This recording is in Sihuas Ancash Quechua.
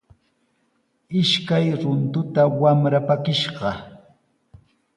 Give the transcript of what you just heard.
Ishkay runtuta wamra pakishqa.